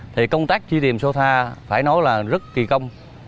thì công tác truy tìm sô tha phải nói là rất kỳ công